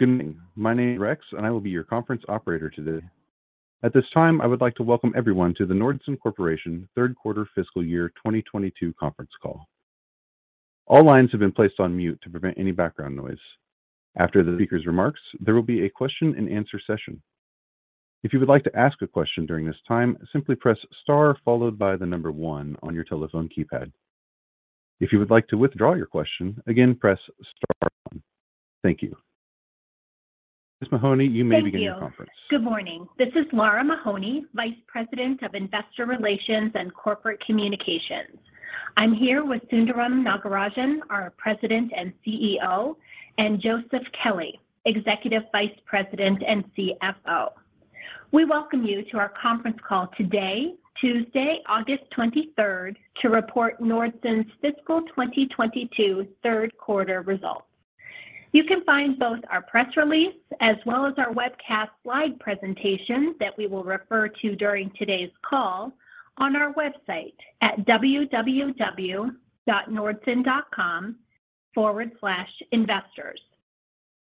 Good evening. My name is Rex, and I will be your conference operator today. At this time, I would like to welcome everyone to the Nordson Corporation third quarter fiscal year 2022 conference call. All lines have been placed on mute to prevent any background noise. After the speaker's remarks, there will be a question-and-answer session. If you would like to ask a question during this time, simply press star followed by the number one on your telephone keypad. If you would like to withdraw your question, again, press star one. Thank you. Ms. Mahoney, you may begin your conference. Thank you. Good morning. This is Lara Mahoney, Vice President of Investor Relations and Corporate Communications. I'm here with Sundaram Nagarajan, our President and CEO, and Joseph Kelley, Executive Vice President and CFO. We welcome you to our conference call today, Tuesday, August 23rd, to report Nordson's fiscal 2022 third quarter results. You can find both our press release as well as our webcast slide presentation that we will refer to during today's call on our website at www.nordson.com/investors.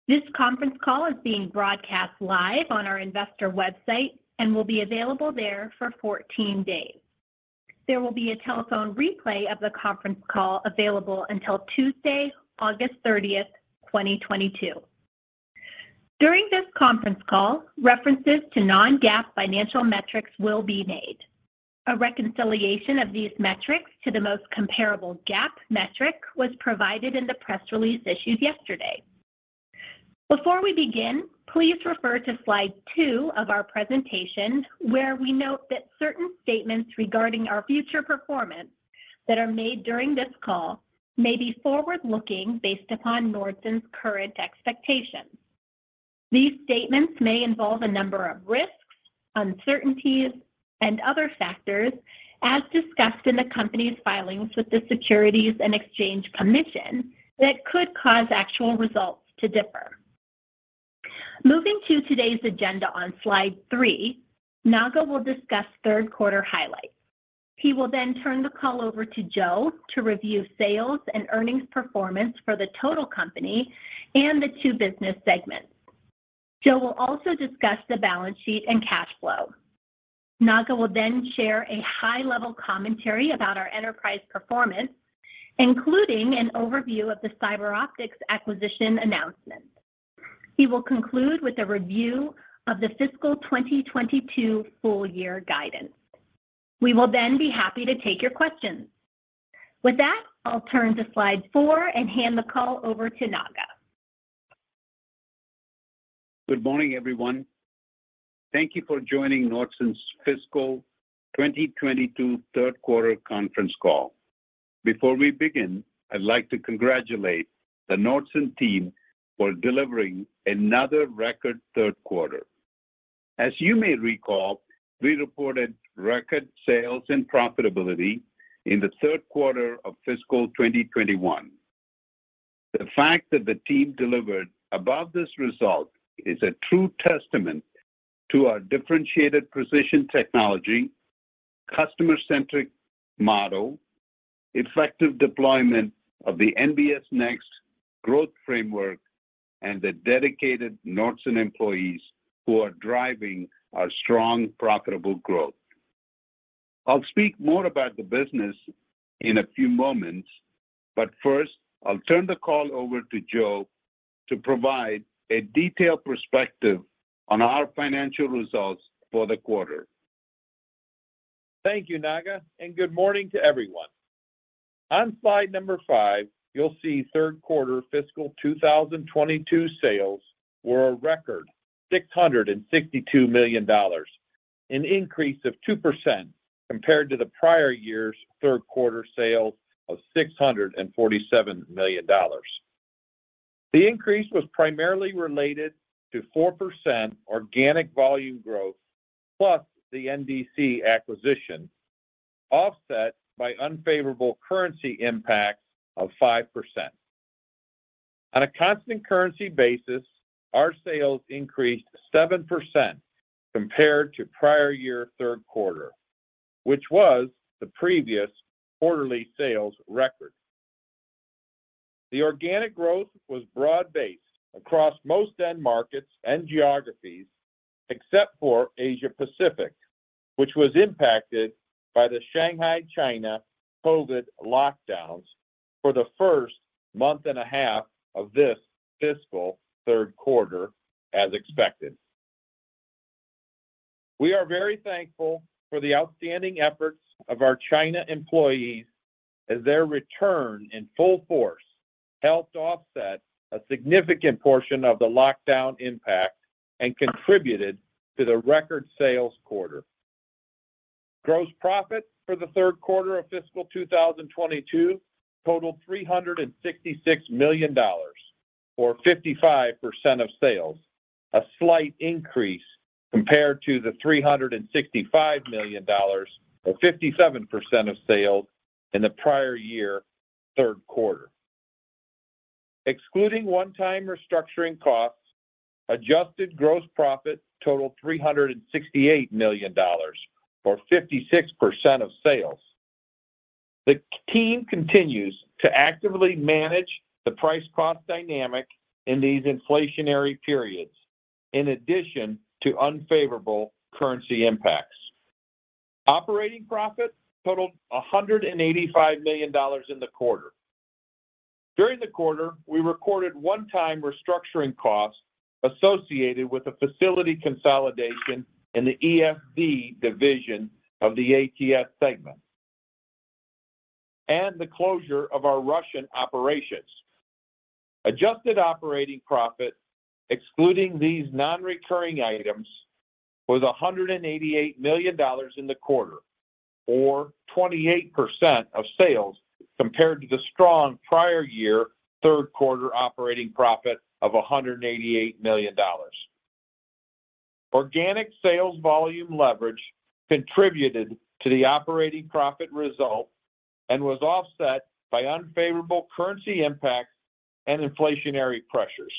This conference call is being broadcast live on our investor website and will be available there for 14 days. There will be a telephone replay of the conference call available until Tuesday, August 30th, 2022. During this conference call, references to non-GAAP financial metrics will be made. A reconciliation of these metrics to the most comparable GAAP metric was provided in the press release issued yesterday. Before we begin, please refer to slide two of our presentation, where we note that certain statements regarding our future performance that are made during this call may be forward-looking based upon Nordson's current expectations. These statements may involve a number of risks, uncertainties, and other factors as discussed in the company's filings with the Securities and Exchange Commission that could cause actual results to differ. Moving to today's agenda on slide three, Naga will discuss third quarter highlights. He will then turn the call over to Joe to review sales and earnings performance for the total company and the two business segments. Joe will also discuss the balance sheet and cash flow. Naga will then share a high-level commentary about our enterprise performance, including an overview of the CyberOptics acquisition announcement. He will conclude with a review of the fiscal 2022 full year guidance. We will then be happy to take your questions. With that, I'll turn to slide four and hand the call over to Naga. Good morning, everyone. Thank you for joining Nordson's fiscal 2022 third quarter conference call. Before we begin, I'd like to congratulate the Nordson team for delivering another record third quarter. As you may recall, we reported record sales and profitability in the third quarter of fiscal 2021. The fact that the team delivered above this result is a true testament to our differentiated precision technology, customer-centric model, effective deployment of the NBS Next growth framework, and the dedicated Nordson employees who are driving our strong, profitable growth. I'll speak more about the business in a few moments, but first I'll turn the call over to Joe to provide a detailed perspective on our financial results for the quarter. Thank you, Naga, and good morning to everyone. On slide number five, you'll see third quarter fiscal 2022 sales were a record $662 million, an increase of 2% compared to the prior year's third quarter sales of $647 million. The increase was primarily related to 4% organic volume growth, plus the NDC acquisition, offset by unfavorable currency impacts of 5%. On a constant currency basis, our sales increased 7% compared to prior year third quarter, which was the previous quarterly sales record. The organic growth was broad-based across most end markets and geographies, except for Asia-Pacific, which was impacted by the Shanghai, China, COVID lockdowns for the first month and a half of this fiscal third quarter as expected. We are very thankful for the outstanding efforts of our China employees as their return in full force helped offset a significant portion of the lockdown impact and contributed to the record sales quarter. Gross profit for the third quarter of fiscal 2022 totaled $366 million, or 55% of sales, a slight increase compared to the $365 million or 57% of sales in the prior year third quarter. Excluding one-time restructuring costs, adjusted gross profit totaled $368 million, or 56% of sales. The team continues to actively manage the price cost dynamic in these inflationary periods in addition to unfavorable currency impacts. Operating profit totaled $185 million in the quarter. During the quarter, we recorded one-time restructuring costs associated with the facility consolidation in the EFD division of the ATS segment and the closure of our Russian operations. Adjusted operating profit, excluding these non-recurring items, was $188 million in the quarter, or 28% of sales compared to the strong prior year third quarter operating profit of $188 million. Organic sales volume leverage contributed to the operating profit result and was offset by unfavorable currency impact and inflationary pressures.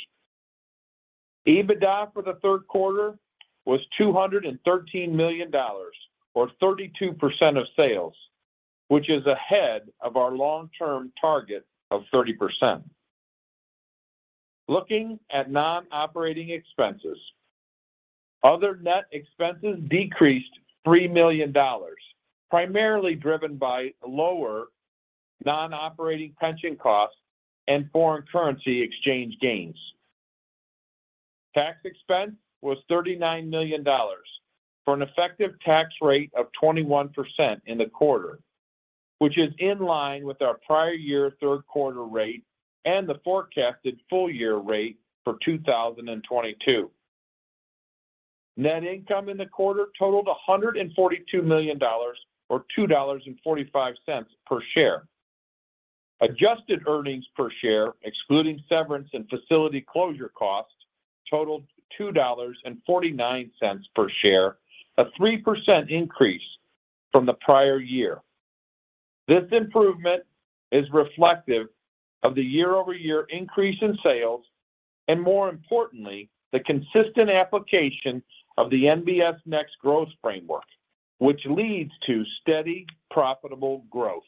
EBITDA for the third quarter was $213 million, or 32% of sales, which is ahead of our long-term target of 30%. Looking at non-operating expenses, other net expenses decreased $3 million, primarily driven by lower non-operating pension costs and foreign currency exchange gains. Tax expense was $39 million for an effective tax rate of 21% in the quarter, which is in line with our prior year third quarter rate and the forecasted full year rate for 2022. Net income in the quarter totaled $142 million or $2.45 per share. Adjusted earnings per share, excluding severance and facility closure costs totaled $2.49 per share, a 3% increase from the prior year. This improvement is reflective of the year-over-year increase in sales, and more importantly, the consistent application of the NBS Next Growth Framework, which leads to steady, profitable growth.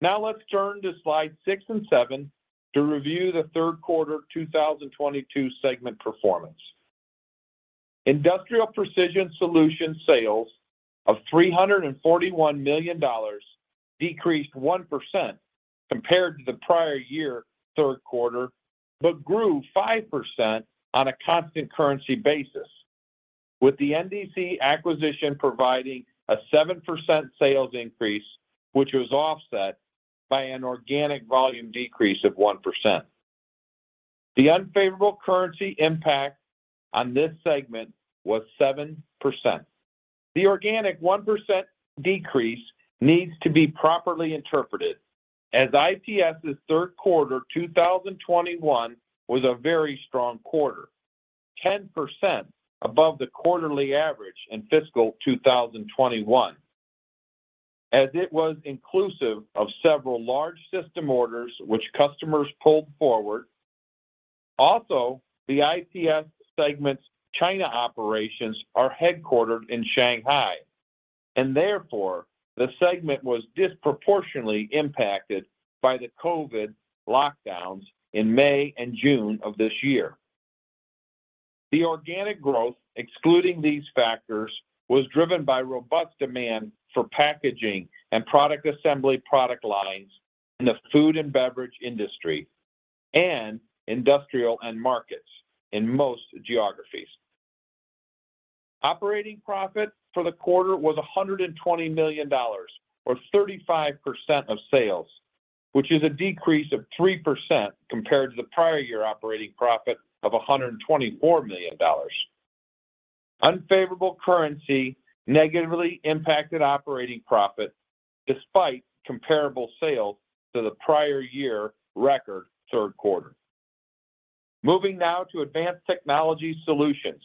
Now let's turn to slide six and seven to review the third quarter 2022 segment performance. Industrial Precision Solutions sales of $341 million decreased 1% compared to the prior year third quarter, but grew 5% on a constant currency basis, with the NDC acquisition providing a 7% sales increase, which was offset by an organic volume decrease of 1%. The unfavorable currency impact on this segment was 7%. The organic 1% decrease needs to be properly interpreted as IPS' third quarter 2021 was a very strong quarter, 10% above the quarterly average in fiscal 2021, as it was inclusive of several large system orders which customers pulled forward. Also, the IPS segment's China operations are headquartered in Shanghai, and therefore, the segment was disproportionately impacted by the COVID lockdowns in May and June of this year. The organic growth, excluding these factors, was driven by robust demand for packaging and product assembly product lines in the food and beverage industry and industrial end markets in most geographies. Operating profit for the quarter was $120 million or 35% of sales, which is a decrease of 3% compared to the prior year operating profit of $124 million. Unfavorable currency negatively impacted operating profit despite comparable sales to the prior year record third quarter. Moving now to Advanced Technology Solutions.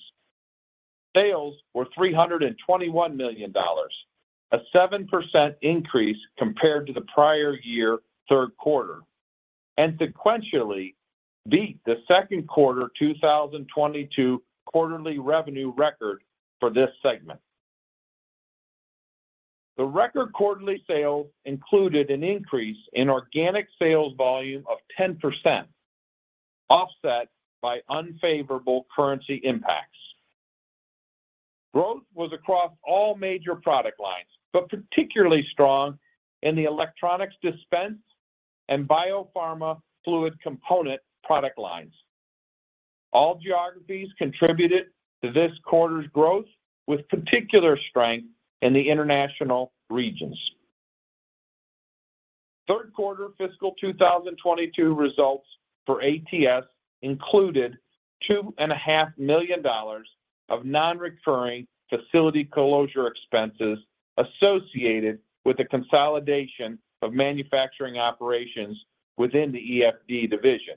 Sales were $321 million, a 7% increase compared to the prior year third quarter, and sequentially beat the second quarter 2022 quarterly revenue record for this segment. The record quarterly sales included an increase in organic sales volume of 10%, offset by unfavorable currency impacts. Growth was across all major product lines, but particularly strong in the electronics dispense and biopharma fluid component product lines. All geographies contributed to this quarter's growth with particular strength in the international regions. Third quarter fiscal 2022 results for ATS included $2.5 million of non-recurring facility closure expenses associated with the consolidation of manufacturing operations within the EFD division.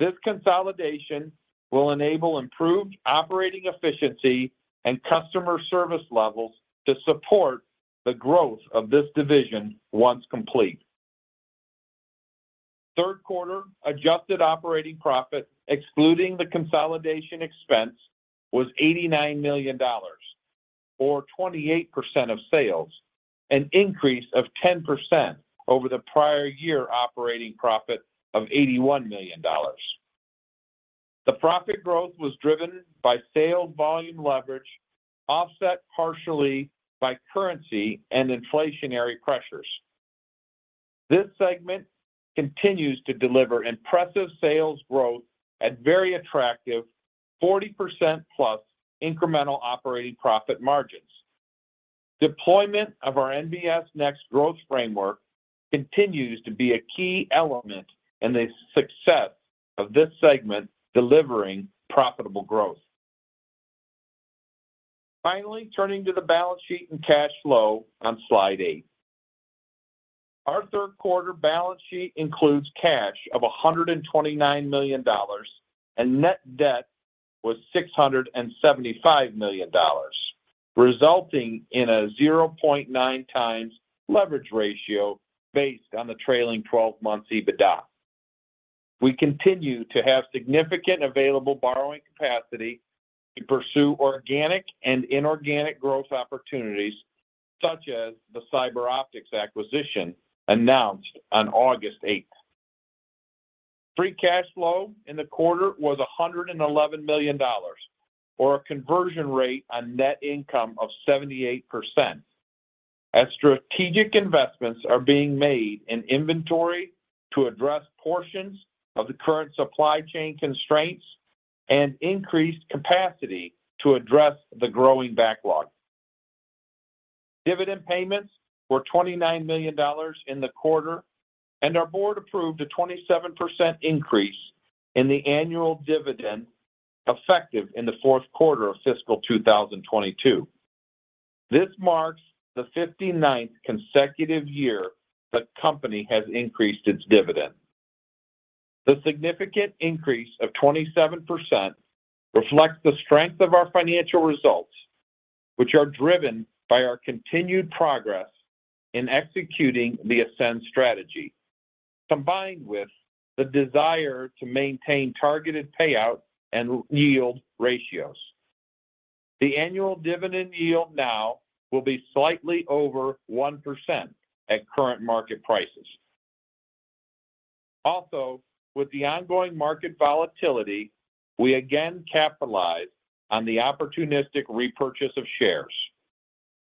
This consolidation will enable improved operating efficiency and customer service levels to support the growth of this division once complete. Third quarter adjusted operating profit, excluding the consolidation expense, was $89 million or 28% of sales, an increase of 10% over the prior year operating profit of $81 million. The profit growth was driven by sales volume leverage, offset partially by currency and inflationary pressures. This segment continues to deliver impressive sales growth at very attractive 40%+ incremental operating profit margins. Deployment of our NBS Next growth framework continues to be a key element in the success of this segment, delivering profitable growth. Finally, turning to the balance sheet and cash flow on slide eight. Our third quarter balance sheet includes cash of $129 million, and net debt was $675 million, resulting in a 0.9x leverage ratio based on the trailing twelve months EBITDA. We continue to have significant available borrowing capacity to pursue organic and inorganic growth opportunities, such as the CyberOptics acquisition announced on August 8. Free cash flow in the quarter was $111 million, or a conversion rate on net income of 78%, as strategic investments are being made in inventory to address portions of the current supply chain constraints and increased capacity to address the growing backlog. Dividend payments were $29 million in the quarter, and our board approved a 27% increase in the annual dividend effective in the fourth quarter of fiscal 2022. This marks the 59th consecutive year the company has increased its dividend. The significant increase of 27% reflects the strength of our financial results, which are driven by our continued progress in executing the ASCEND strategy, combined with the desire to maintain targeted payout and yield ratios. The annual dividend yield now will be slightly over 1% at current market prices. Also, with the ongoing market volatility, we again capitalize on the opportunistic repurchase of shares.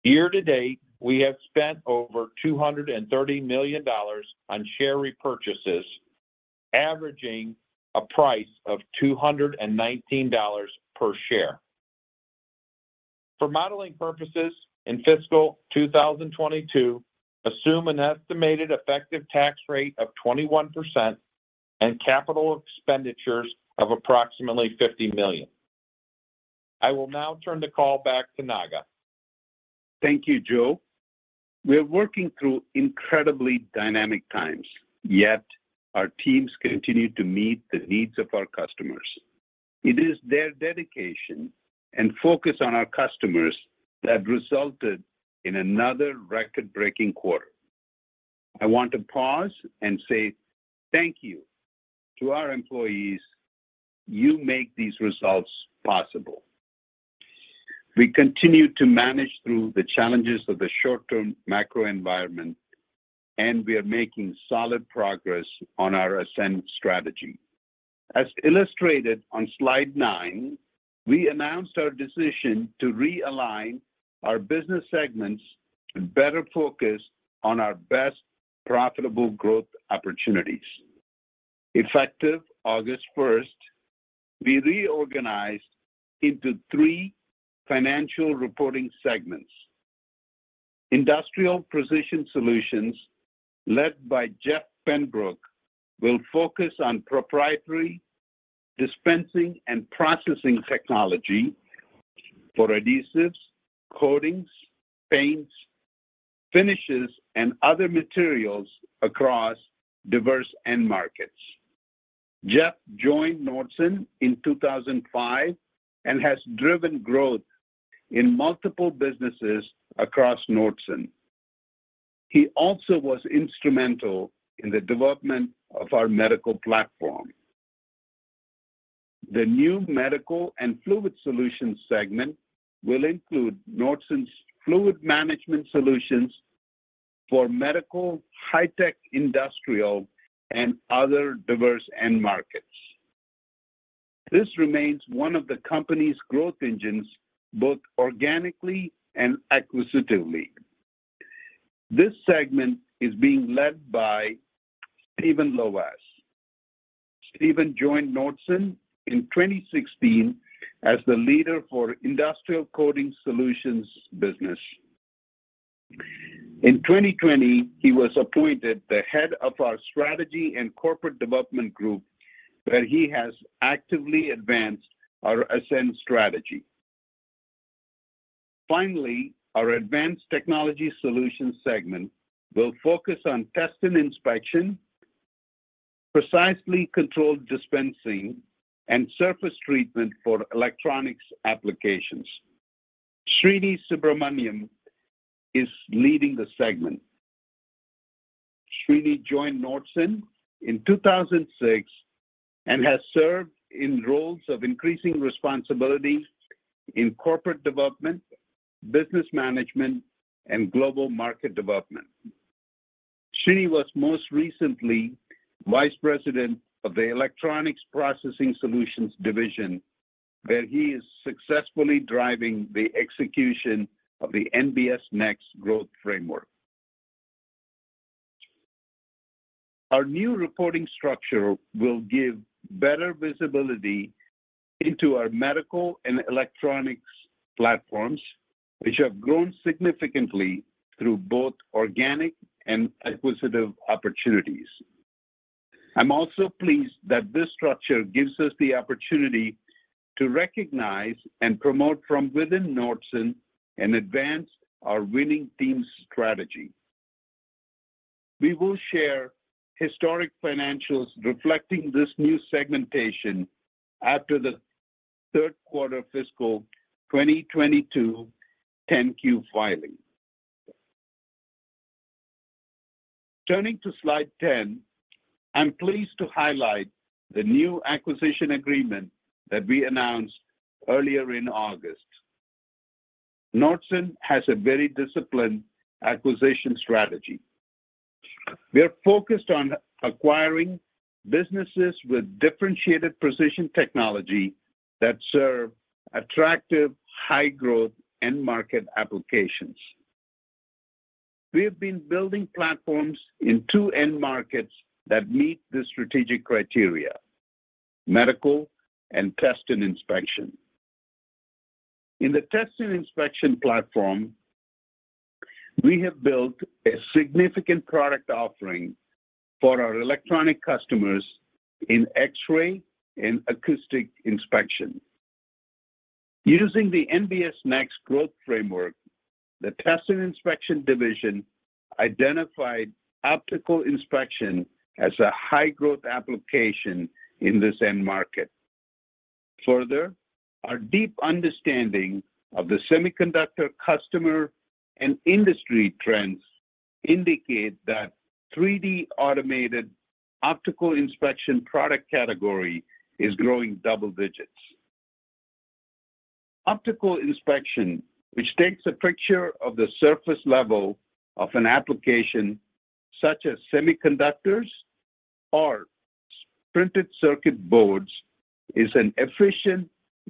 Year to date, we have spent over $230 million on share repurchases, averaging a price of $219 per share. For modeling purposes in fiscal 2022, assume an estimated effective tax rate of 21% and capital expenditures of approximately $50 million. I will now turn the call back to Naga. Thank you, Joe. We are working through incredibly dynamic times, yet our teams continue to meet the needs of our customers. It is their dedication and focus on our customers that resulted in another record-breaking quarter. I want to pause and say thank you to our employees. You make these results possible. We continue to manage through the challenges of the short term macro environment, and we are making solid progress on our ASCEND strategy. As illustrated on slide nine, we announced our decision to realign our business segments to better focus on our best profitable growth opportunities. Effective August first, we reorganized into three financial reporting segments. Industrial Precision Solutions led by Jeff Pembroke, will focus on proprietary dispensing and processing technology for adhesives, coatings, paints, finishes, and other materials across diverse end markets. Jeff joined Nordson in 2005 and has driven growth in multiple businesses across Nordson. He also was instrumental in the development of our medical platform. The new Medical and Fluid Solutions segment will include Nordson's fluid management solutions for medical, high-tech industrial, and other diverse end markets. This remains one of the company's growth engines, both organically and acquisitively. This segment is being led by Stephen Lovass. Stephen joined Nordson in 2016 as the leader for Industrial Coating Solutions business. In 2020, he was appointed the head of our Strategy and Corporate Development group, where he has actively advanced our ASCEND strategy. Finally, our Advanced Technology Solutions segment will focus on test and inspection, precisely controlled dispensing, and surface treatment for electronics applications. Srinivas Subramanian is leading the segment. Srini joined Nordson in 2006 and has served in roles of increasing responsibility in corporate development, business management, and global market development. Srini was most recently vice president of the Electronics Processing Solutions division, where he is successfully driving the execution of the NBS Next growth framework. Our new reporting structure will give better visibility into our medical and electronics platforms, which have grown significantly through both organic and acquisitive opportunities. I'm also pleased that this structure gives us the opportunity to recognize and promote from within Nordson and advance our winning team strategy. We will share historic financials reflecting this new segmentation after the third quarter fiscal 2022 10-Q filing. Turning to slide 10, I'm pleased to highlight the new acquisition agreement that we announced earlier in August. Nordson has a very disciplined acquisition strategy. We are focused on acquiring businesses with differentiated precision technology that serve attractive high-growth end market applications. We have been building platforms in two end markets that meet the strategic criteria, medical and test and inspection. In the test and inspection platform, we have built a significant product offering for our electronic customers in X-ray and acoustic inspection. Using the NBS Next growth framework, the test and inspection division identified optical inspection as a high-growth application in this end market. Further, our deep understanding of the semiconductor customer and industry trends indicate that 3D automated optical inspection product category is growing double digits. Optical inspection, which takes a picture of the surface level of an application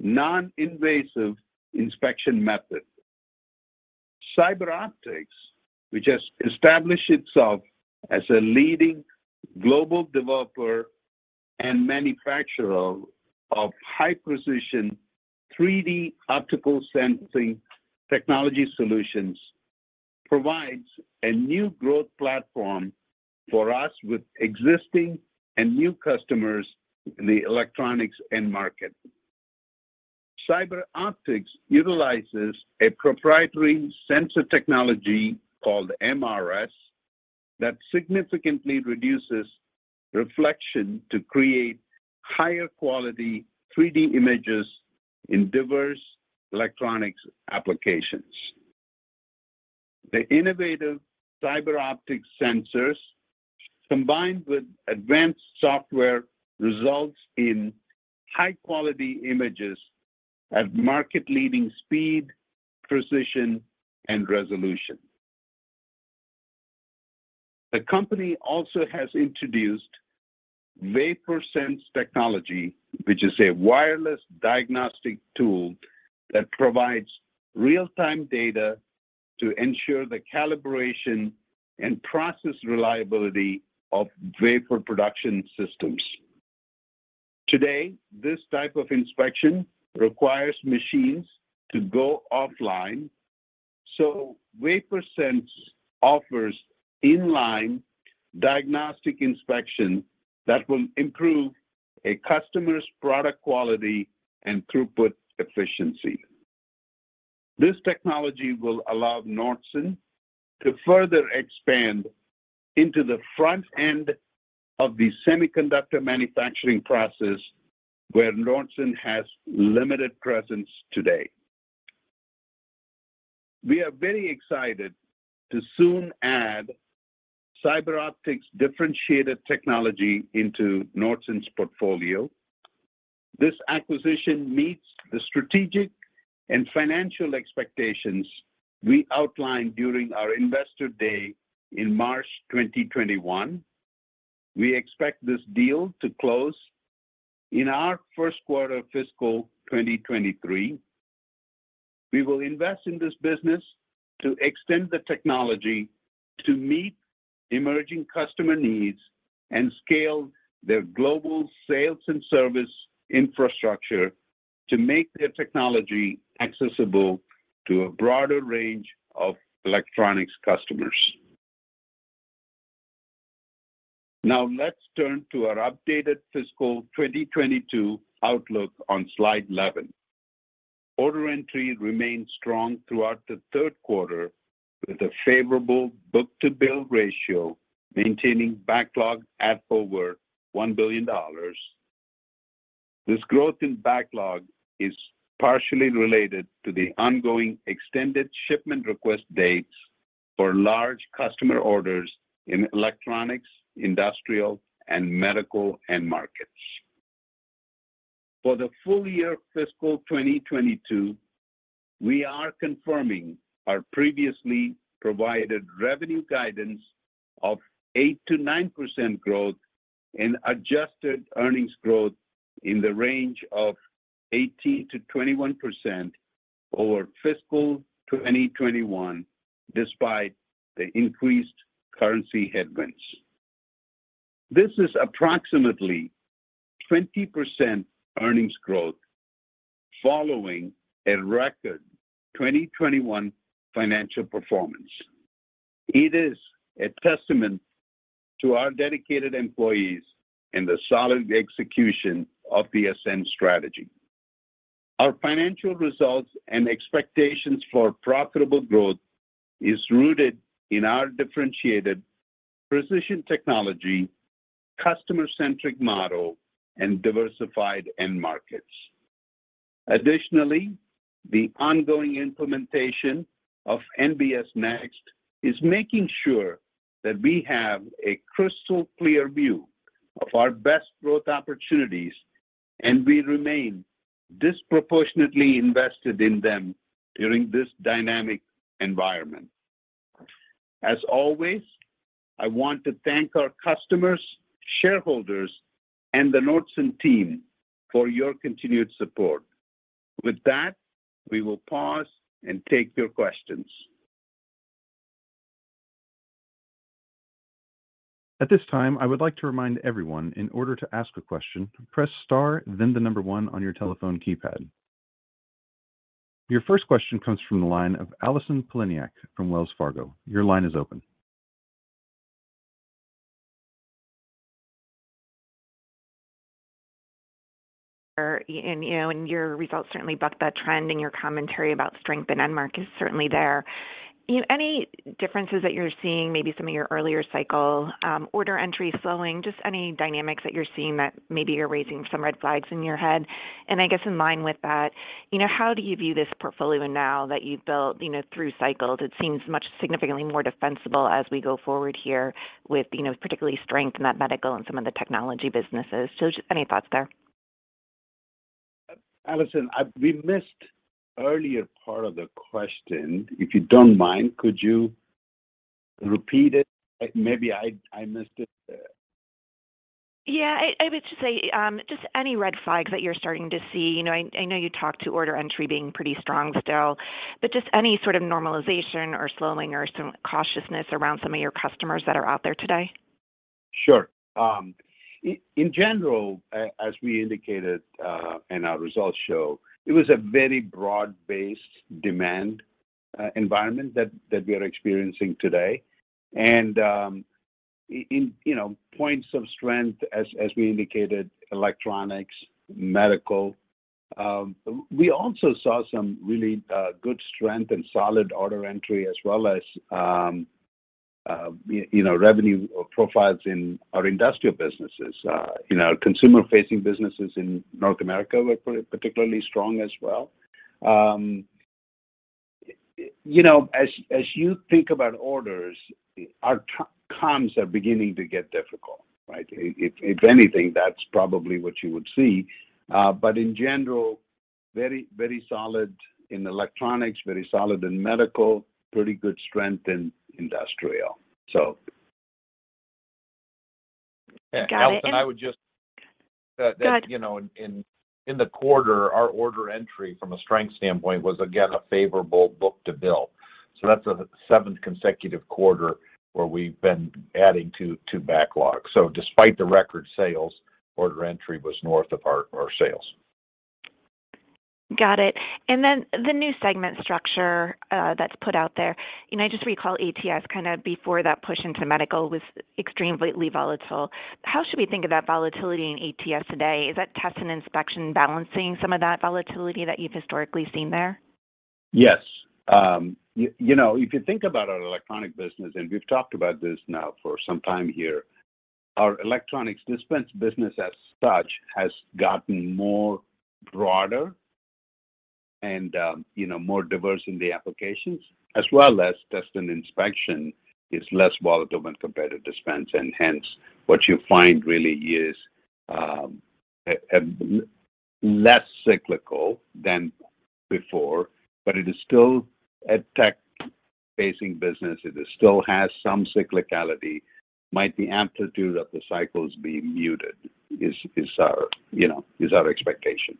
such as semiconductors or printed circuit boards, is an efficient, non-invasive inspection method. CyberOptics, which has established itself as a leading global developer and manufacturer of high-precision 3D optical sensing technology solutions, provides a new growth platform for us with existing and new customers in the electronics end market. CyberOptics utilizes a proprietary sensor technology called MRS that significantly reduces reflection to create higher quality 3D images in diverse electronics applications. The innovative CyberOptics sensors, combined with advanced software, results in high-quality images at market-leading speed, precision, and resolution. The company also has introduced WaferSense technology, which is a wireless diagnostic tool that provides real-time data to ensure the calibration and process reliability of vapor production systems. Today, this type of inspection requires machines to go offline. WaferSense offers in-line diagnostic inspection that will improve a customer's product quality and throughput efficiency. This technology will allow Nordson to further expand into the front end of the semiconductor manufacturing process where Nordson has limited presence today. We are very excited to soon add CyberOptics' differentiated technology into Nordson's portfolio. This acquisition meets the strategic and financial expectations we outlined during our Investor Day in March 2021. We expect this deal to close in our first quarter fiscal 2023. We will invest in this business to extend the technology to meet emerging customer needs and scale their global sales and service infrastructure to make their technology accessible to a broader range of electronics customers. Now let's turn to our updated fiscal 2022 outlook on slide 11. Order entry remained strong throughout the third quarter with a favorable book-to-bill ratio, maintaining backlog at over $1 billion. This growth in backlog is partially related to the ongoing extended shipment request dates for large customer orders in electronics, industrial, and medical end markets. For the full year fiscal 2022, we are confirming our previously provided revenue guidance of 8%-9% growth and adjusted earnings growth in the range of 18%-21% over fiscal 2021, despite the increased currency headwinds. This is approximately 20% earnings growth following a record 2021 financial performance. It is a testament to our dedicated employees and the solid execution of the ASCEND strategy. Our financial results and expectations for profitable growth is rooted in our differentiated precision technology, customer-centric model, and diversified end markets. Additionally, the ongoing implementation of NBS Next is making sure that we have a crystal clear view of our best growth opportunities, and we remain disproportionately invested in them during this dynamic environment. As always, I want to thank our customers, shareholders, and the Nordson team for your continued support. With that, we will pause and take your questions. At this time, I would like to remind everyone in order to ask a question, press star then the number one on your telephone keypad. Your first question comes from the line of Allison Poliniak-Malken from Wells Fargo. Your line is open. Sure. You know, your results certainly bucked that trend, and your commentary about strength in end market is certainly there. You know, any differences that you're seeing, maybe some of your earlier cycle, order entry slowing, just any dynamics that you're seeing that maybe are raising some red flags in your head? I guess in line with that, you know, how do you view this portfolio now that you've built, you know, through cycles? It seems much significantly more defensible as we go forward here with, you know, particularly strength in that medical and some of the technology businesses. Just any thoughts there? Allison, we missed earlier part of the question. If you don't mind, could you repeat it? Maybe I missed it. Yeah. I would just say just any red flags that you're starting to see. You know, I know you talked about order entry being pretty strong still, but just any sort of normalization or slowing or some cautiousness around some of your customers that are out there today? Sure. In general, as we indicated, and our results show, it was a very broad-based demand environment that we are experiencing today. In, you know, points of strength, as we indicated, electronics, medical, we also saw some really good strength and solid order entry as well as, you know, revenue profiles in our industrial businesses. You know, consumer-facing businesses in North America were particularly strong as well. You know, as you think about orders, our trailing comps are beginning to get difficult, right? If anything, that's probably what you would see. But in general, very solid in electronics, very solid in medical, pretty good strength in industrial. Got it. Allison, I would just Go ahead. You know, in the quarter, our order entry from a strength standpoint was again a favorable book-to-bill. That's a seventh consecutive quarter where we've been adding to backlog. Despite the record sales, order entry was north of our sales. Got it. The new segment structure, that's put out there, you know, I just recall ATS kind of before that push into medical was extremely volatile. How should we think of that volatility in ATS today? Is that test and inspection balancing some of that volatility that you've historically seen there? Yes. You know, if you think about our electronics business, and we've talked about this now for some time here, our electronics dispense business as such has gotten more broader and, you know, more diverse in the applications, as well as test and inspection is less volatile when compared to dispense. Hence, what you find really is, a less cyclical than before, but it is still a tech-facing business. It is still has some cyclicality. Might the amplitude of the cycles be muted? Is our expectation.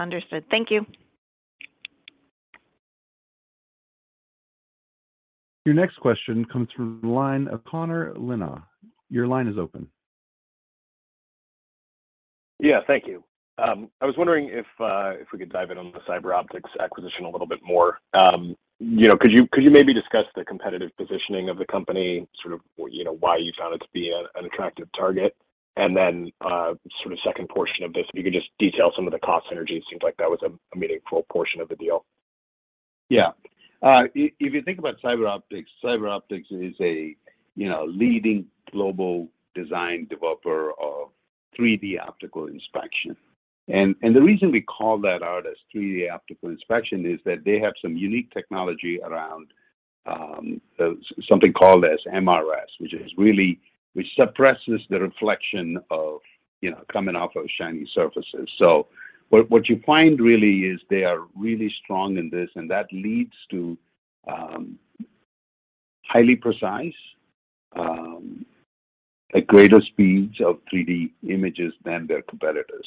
Understood. Thank you. Your next question comes from the line of Connor Lynagh. Your line is open. Yeah. Thank you. I was wondering if we could dive in on the CyberOptics acquisition a little bit more. You know, could you maybe discuss the competitive positioning of the company, sort of, you know, why you found it to be an attractive target? Then, sort of second portion of this, if you could just detail some of the cost synergies. Seems like that was a meaningful portion of the deal. Yeah. If you think about CyberOptics is a you know leading global design developer of 3D optical inspection. The reason we call that out as 3D optical inspection is that they have some unique technology around something called MRS, which suppresses the reflection of you know coming off of shiny surfaces. What you find really is they are really strong in this, and that leads to highly precise at greater speeds of 3D images than their competitors.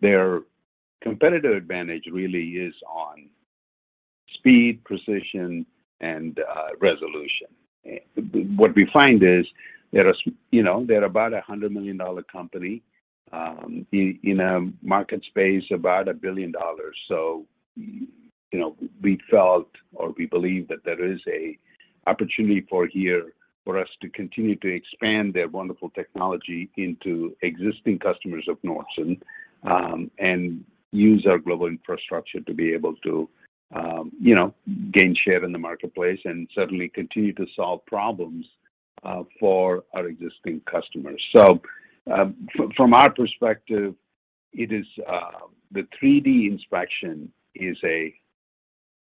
Their competitive advantage really is on speed, precision, and resolution. But what we find is there you know are they're about a $100 million company in a market space about $1 billion. You know, we felt or we believe that there is an opportunity here for us to continue to expand their wonderful technology into existing customers of Nordson, and use our global infrastructure to be able to, you know, gain share in the marketplace and certainly continue to solve problems for our existing customers. From our perspective, it is, the 3D inspection is a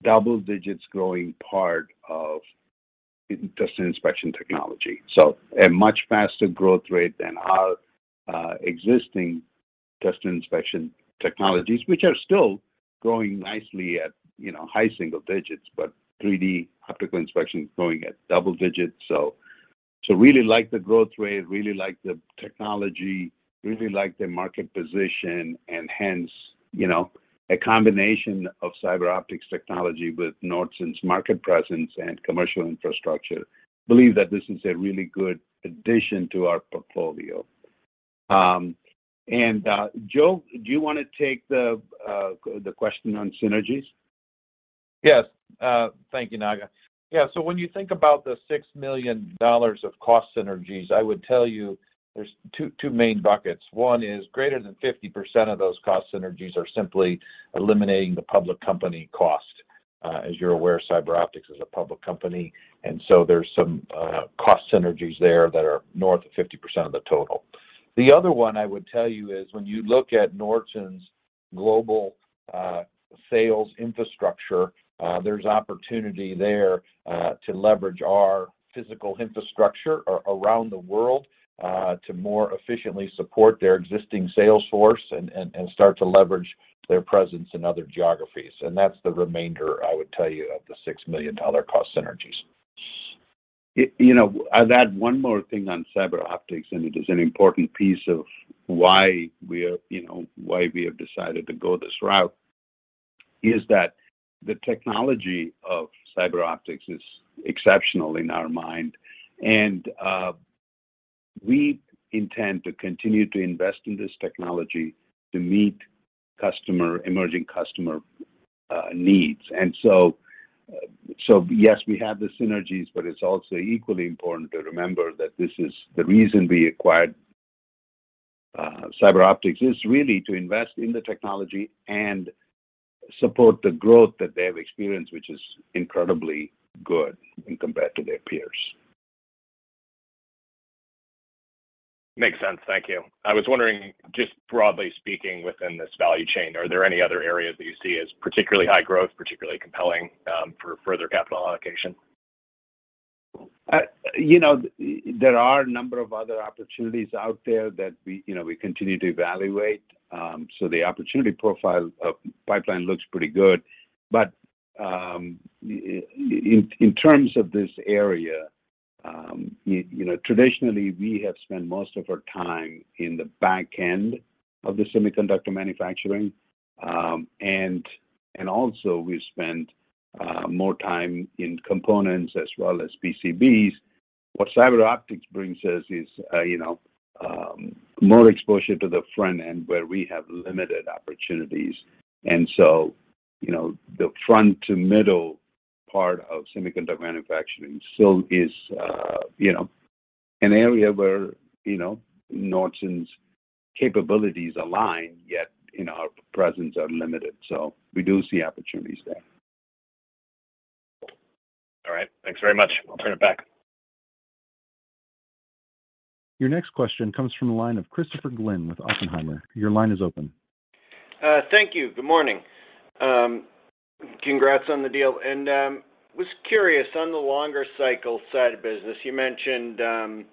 double digits growing part of test and inspection technology. A much faster growth rate than our existing test and inspection technologies, which are still growing nicely at, you know, high single digits, but 3D optical inspection is growing at double digits. Really like the growth rate, really like the technology, really like their market position, and hence, you know, a combination of CyberOptics technology with Nordson's market presence and commercial infrastructure, believe that this is a really good addition to our portfolio. Joe, do you wanna take the question on synergies? Thank you, Naga. When you think about the $6 million of cost synergies, I would tell you there's two main buckets. One is greater than 50% of those cost synergies are simply eliminating the public company cost. As you're aware, CyberOptics is a public company, and so there's some cost synergies there that are north of 50% of the total. The other one I would tell you is when you look at Nordson's global sales infrastructure, there's opportunity there to leverage our physical infrastructure around the world to more efficiently support their existing sales force and start to leverage their presence in other geographies. That's the remainder, I would tell you, of the $6 million cost synergies. You know, I'll add one more thing on CyberOptics, and it is an important piece of why we are, you know, why we have decided to go this route, is that the technology of CyberOptics is exceptional in our mind. We intend to continue to invest in this technology to meet emerging customer needs. Yes, we have the synergies, but it's also equally important to remember that this is the reason we acquired CyberOptics, is really to invest in the technology and support the growth that they have experienced, which is incredibly good when compared to their peers. Makes sense. Thank you. I was wondering, just broadly speaking within this value chain, are there any other areas that you see as particularly high growth, particularly compelling, for further capital allocation? You know, there are a number of other opportunities out there that we, you know, we continue to evaluate. The opportunity profile of pipeline looks pretty good. In terms of this area, you know, traditionally, we have spent most of our time in the back end of the semiconductor manufacturing. Also we spent more time in components as well as PCBs. What CyberOptics brings us is, you know, more exposure to the front end where we have limited opportunities. You know, the front to middle part of semiconductor manufacturing still is, you know, an area where, you know, Nordson's capabilities align, yet, you know, our presence are limited. We do see opportunities there. All right. Thanks very much. I'll turn it back. Your next question comes from the line of Christopher Glynn with Oppenheimer. Your line is open. Thank you. Good morning. Congrats on the deal. I was curious on the longer cycle side of business, you mentioned,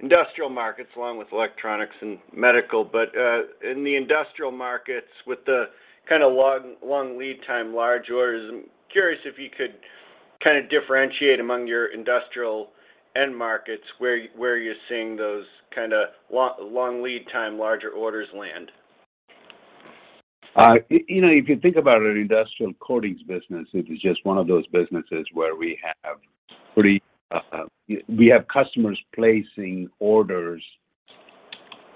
industrial markets along with electronics and medical. In the industrial markets with the kinda long lead time, large orders, I'm curious if you could kinda differentiate among your industrial end markets, where you're seeing those kinda long lead time, larger orders land. You know, if you think about our industrial coatings business, it is just one of those businesses where we have customers placing orders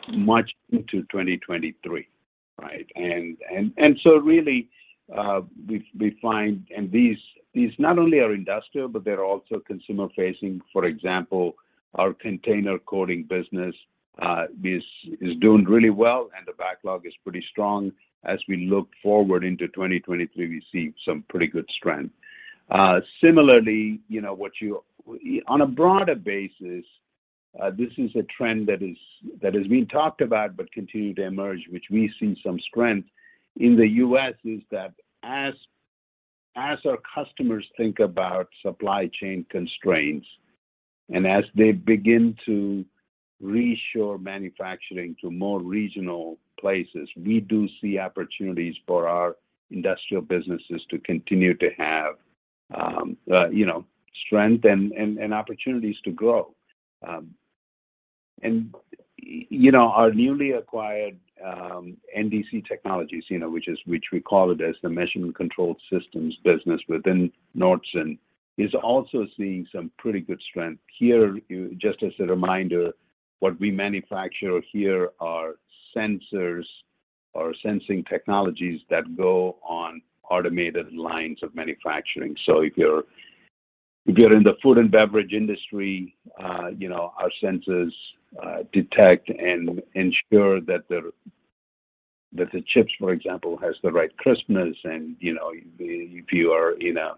pretty much into 2023, right? We find these not only are industrial, but they're also consumer-facing. For example, our container coating business is doing really well, and the backlog is pretty strong. As we look forward into 2023, we see some pretty good strength. Similarly, you know, on a broader basis, this is a trend that is being talked about but continue to emerge, which we've seen some strength in the U.S., is that as our customers think about supply chain constraints, and as they begin to reshore manufacturing to more regional places, we do see opportunities for our industrial businesses to continue to have, you know, strength and opportunities to grow. Our newly acquired NDC Technologies, you know, which we call it as the Measurement & Control Solutions business within Nordson, is also seeing some pretty good strength. Here, just as a reminder, what we manufacture here are sensors or sensing technologies that go on automated lines of manufacturing. If you're in the food and beverage industry, you know, our sensors detect and ensure that the chips, for example, has the right crispness and, you know, if you are in a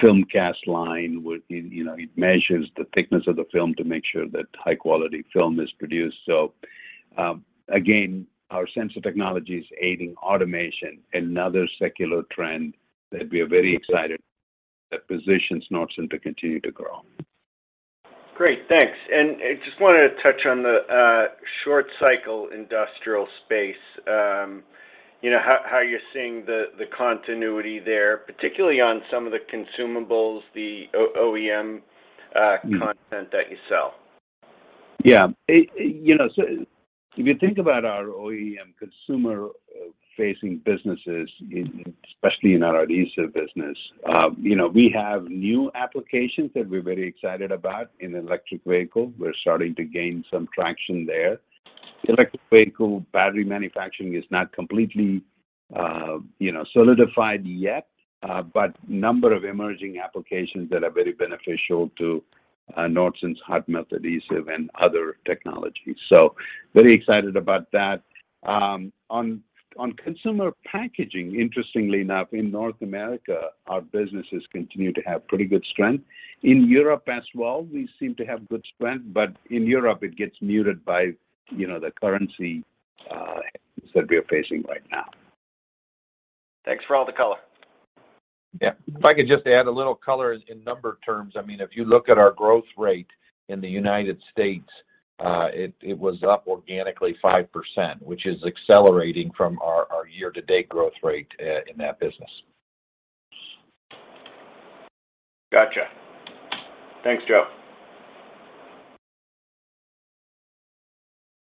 film cast line, you know, it measures the thickness of the film to make sure that high-quality film is produced. Again, our sensor technology is aiding automation, another secular trend that we are very excited that positions Nordson to continue to grow. Great. Thanks. I just wanted to touch on the short cycle industrial space, you know, how you're seeing the continuity there, particularly on some of the consumables, the OEM content that you sell. You know, so if you think about our OEM consumer-facing businesses, especially in our adhesive business, you know, we have new applications that we're very excited about in electric vehicle. We're starting to gain some traction there. Electric vehicle battery manufacturing is not completely, you know, solidified yet, but number of emerging applications that are very beneficial to Nordson's hot melt adhesive and other technologies. Very excited about that. On consumer packaging, interestingly enough, in North America, our businesses continue to have pretty good strength. In Europe as well, we seem to have good strength, but in Europe, it gets muted by, you know, the currency that we are facing right now. Thanks for all the color. Yeah. If I could just add a little color in number terms. I mean, if you look at our growth rate in the United States, it was up organically 5%, which is accelerating from our year-to-date growth rate in that business. Gotcha. Thanks, Joe.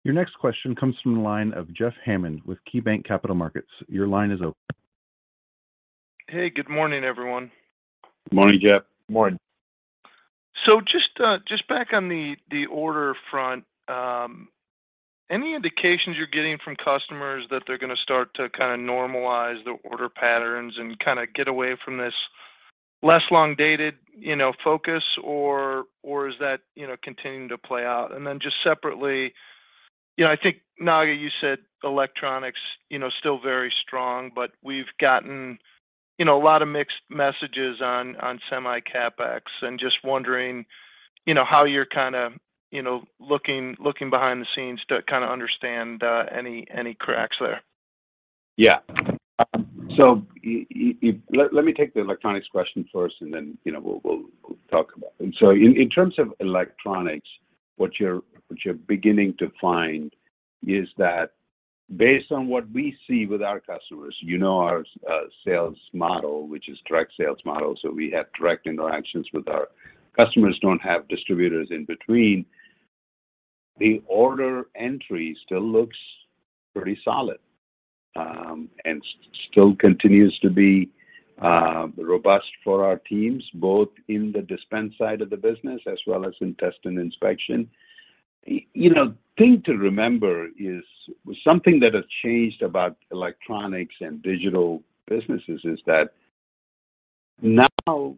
Your next question comes from the line of Jeff Hammond with KeyBanc Capital Markets. Your line is open. Hey. Good morning, everyone. Morning, Jeff. Morning. Just back on the order front, any indications you're getting from customers that they're gonna start to kinda normalize the order patterns and kinda get away from this less long-dated, you know, focus or is that, you know, continuing to play out? Just separately, you know, I think, Naga, you said electronics, you know, is still very strong, but we've gotten, you know, a lot of mixed messages on semi CapEx. Just wondering, you know, how you're kinda, you know, looking behind the scenes to kinda understand any cracks there. Yeah. Let me take the electronics question first, and then, you know, we'll talk about. In terms of electronics, what you're beginning to find is that based on what we see with our customers, you know our sales model, which is direct sales model, so we have direct interactions with our customers, don't have distributors in between. The order entry still looks pretty solid and still continues to be robust for our teams, both in the dispense side of the business as well as in test and inspection. You know, thing to remember is something that has changed about electronics and digital businesses is that now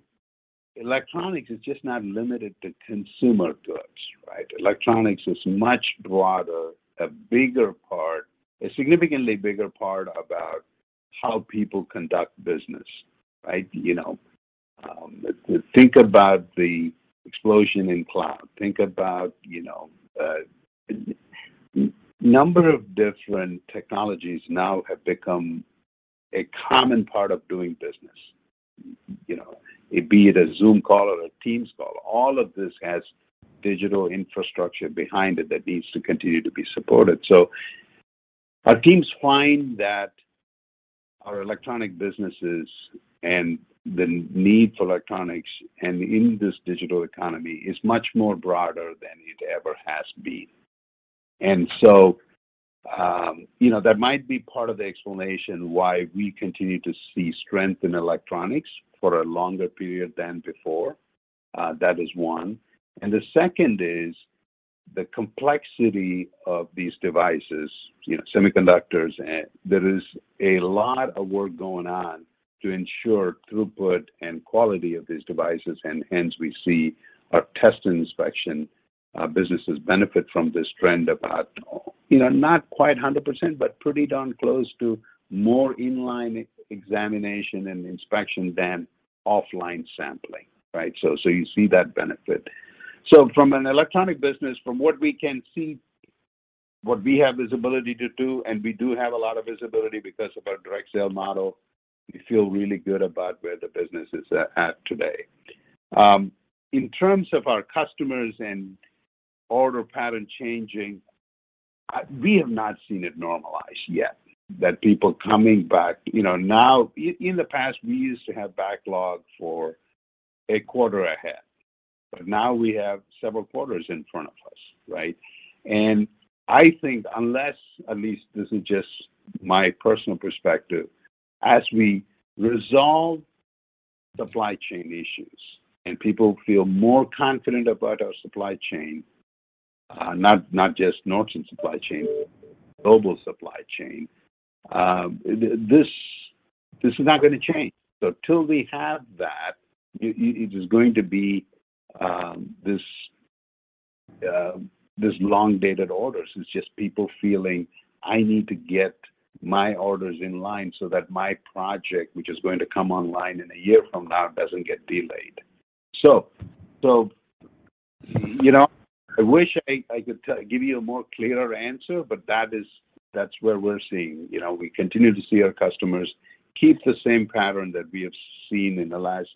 electronics is just not limited to consumer goods, right? Electronics is much broader, a bigger part, a significantly bigger part about how people conduct business, right? You know, think about the explosion in cloud. Think about, you know, number of different technologies now have become a common part of doing business. You know, be it a Zoom call or a Teams call, all of this has digital infrastructure behind it that needs to continue to be supported. Our teams find that our electronic businesses and the need for electronics in this digital economy is much more broader than it ever has been. You know, that might be part of the explanation why we continue to see strength in electronics for a longer period than before. That is one. The second is- The complexity of these devices, you know, semiconductors and there is a lot of work going on to ensure throughput and quality of these devices, and hence we see our test and inspection businesses benefit from this trend about, you know, not quite 100%, but pretty darn close to more in-line examination and inspection than offline sampling, right? You see that benefit. From an electronic business, from what we can see, what we have visibility into, and we do have a lot of visibility because of our direct sale model, we feel really good about where the business is at today. In terms of our customers and order pattern changing, we have not seen it normalized yet, that people coming back. You know, now, in the past, we used to have backlog for a quarter ahead, but now we have several quarters in front of us, right? I think unless, at least this is just my personal perspective, as we resolve supply chain issues and people feel more confident about our supply chain, not just Nordson supply chain, global supply chain, this is not gonna change. Till we have that, it is going to be this long dated orders. It's just people feeling, "I need to get my orders in line so that my project, which is going to come online in a year from now, doesn't get delayed." You know, I wish I could give you a more clearer answer, but that's where we're seeing. You know, we continue to see our customers keep the same pattern that we have seen in the last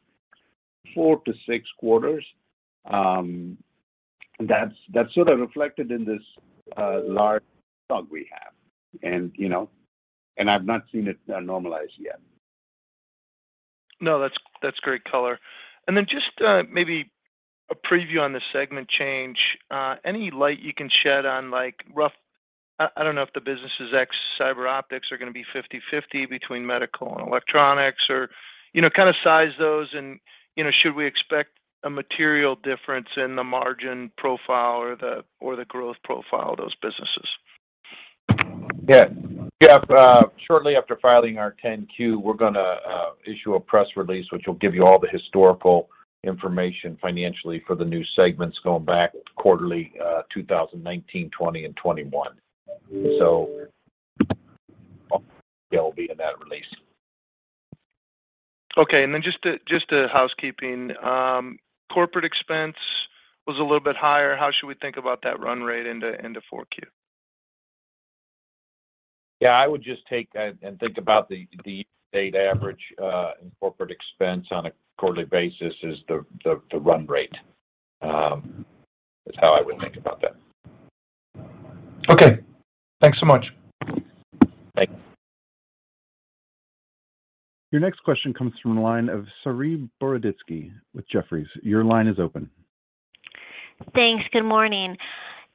four- quarters. That's sort of reflected in this large backlog we have and, you know. I've not seen it normalized yet. No, that's great color. Just maybe a preview on the segment change. Any light you can shed on, like, I don't know if the businesses ex CyberOptics are gonna be 50/50 between medical and electronics or you know, kind of size those and, you know, should we expect a material difference in the margin profile or the growth profile of those businesses? Yeah. Jeff, shortly after filing our 10-Q, we're gonna issue a press release, which will give you all the historical information financially for the new segments going back quarterly, 2019, 2020, and 2021. It'll be in that release. Okay. Just a housekeeping. Corporate expense was a little bit higher. How should we think about that run rate into 4Q? Yeah, I would just take and think about the state average in corporate expense on a quarterly basis is the run rate is how I would think about that. Okay. Thanks so much. Thank you. Your next question comes from the line of Saree Boroditsky with Jefferies. Your line is open. Thanks. Good morning.